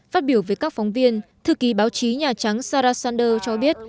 phát biểu với các phóng viên thư ký báo chí nhà trắng sarah sanders cho biết